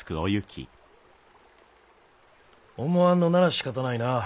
思わんのならしかたないな。